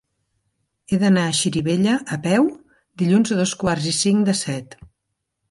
He d'anar a Xirivella a peu dilluns a dos quarts i cinc de set.